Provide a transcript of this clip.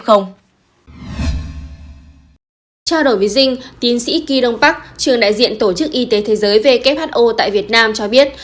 trao đổi với dinh tiến sĩ kỳ đông bắc trường đại diện tổ chức y tế thế giới who tại việt nam cho biết